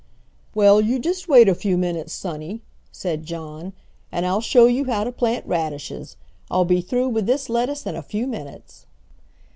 "Well, you just wait a few minutes, sonny," said John, "and I'll show you how to plant radishes. I'll be through with this lettuce in a few minutes."